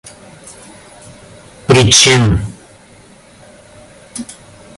причин